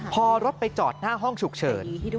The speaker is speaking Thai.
พอรถไปจอดหน้าห้องฉุกเฉิน